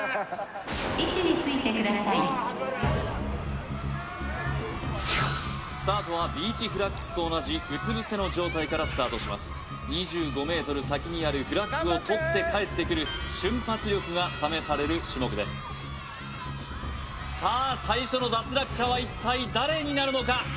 位置についてくださいスタートはビーチフラッグスと同じ２５ｍ先にあるフラッグを取ってかえってくる瞬発力が試される種目ですさあ最初の脱落者は一体誰になるのか？